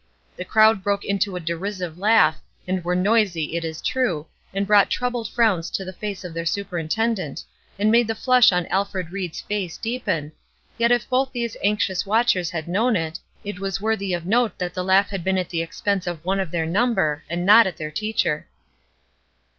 The crowd broke into a derisive laugh, and were noisy, it is true, and brought troubled frowns to the face of their superintendent, and made the flush on Alfred Ried's face deepen; yet if both these anxious watchers had known it, it was worthy of note that the laugh had been at the expense of one of their number, and not at their teacher.